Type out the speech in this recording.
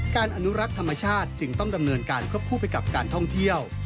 อนุรักษ์ธรรมชาติจึงต้องดำเนินการควบคู่ไปกับการท่องเที่ยว